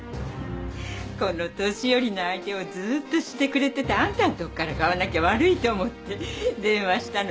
この年寄りの相手をずっとしてくれてたあんたのとこから買わなきゃ悪いと思って電話したのよ。